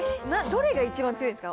どれが一番強いですか？